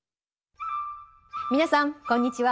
皆さんこんにちは。